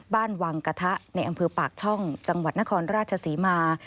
บ้านวังกระทะในอำเภอปากช่องจังหวัดนครราชศรีมา